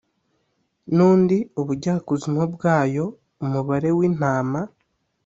n undi ubujyakuzimu bwayo umubare w intama